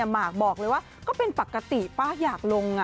หมากบอกเลยว่าก็เป็นปกติป้าอยากลง